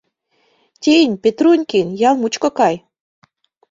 Тинь, Петрунькин, ял мучко кай.